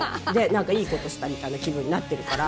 何かいいことしたみたいな気分になってるから。